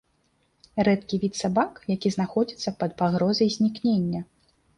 Рэдкі від сабак, які знаходзіцца пад пагрозай знікнення.